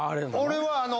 俺はあの。